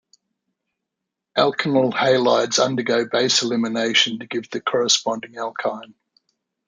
Alkenyl halides undergo base elimination to give the corresponding alkyne.